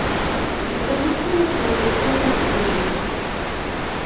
І далучыла сваё фота з сынам.